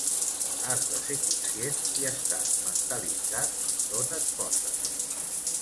Has de ser conscient i estar mentalitzat d’on et poses.